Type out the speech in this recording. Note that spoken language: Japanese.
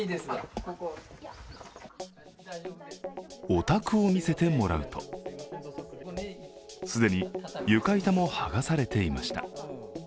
お宅を見せてもらうと既に床板も剥がされていました。